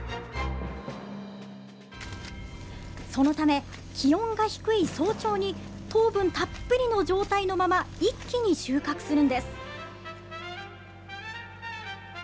そのため、気温が低い早朝に、糖分たっぷりの状態のまま、一気に収穫するんです。